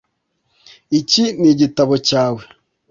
iki ni igitabo cyawe?